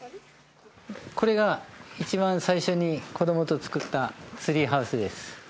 これが一番最初に子どもと作ったツリーハウスです。